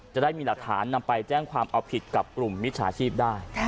จะได้มีหลักฐานนำไปแจ้งความเอาผิดกับกลุ่มมิจฉาชีพได้